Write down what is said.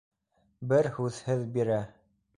Бер һүҙһеҙ бирә.